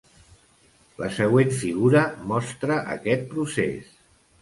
La següent figura mostra aquest procés.